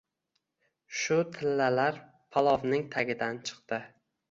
– Shu tillalar palovning tagidan chiqdi.